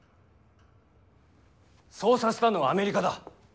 そうさせたのはアメリカだ。